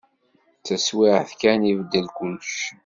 Taswiɛt kan, ibeddel kullec.